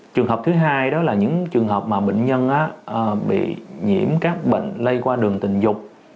trường hợp thứ hai đó là những trường hợp mà bệnh nhân bị nhiễm các bệnh lây qua đường tình dục